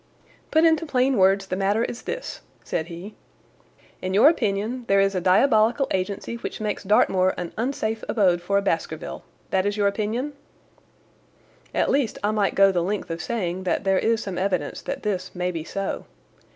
"Put into plain words, the matter is this," said he. "In your opinion there is a diabolical agency which makes Dartmoor an unsafe abode for a Baskerville—that is your opinion?" "At least I might go the length of saying that there is some evidence that this may be so."